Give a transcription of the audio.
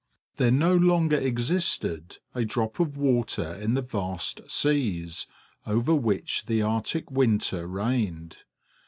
There no longer existed a drop of water in the vast seas over which the Arctic winter reigned.